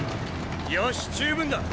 よし十分だ！